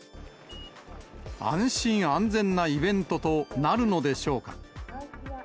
安心安全なイベントとなるのでしょうか。